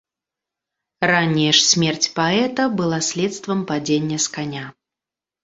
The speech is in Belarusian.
Ранняя ж смерць паэта была следствам падзення з каня.